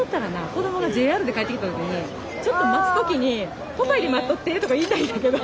子供がＪＲで帰ってきた時にちょっと待つ時にポパイで待っとってとか言いたいんやけど。